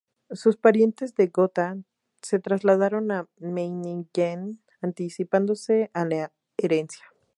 Sus parientes de Gotha se trasladaron a Meiningen, anticipándose a la herencia.